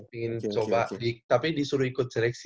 ingin coba tapi disuruh ikut seleksi